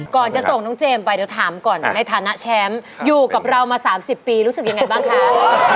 ก่อนจะส่งน้องเจมส์ไปเดี๋ยวถามก่อนในฐานะแชมป์อยู่กับเรามา๓๐ปีรู้สึกยังไงบ้างคะ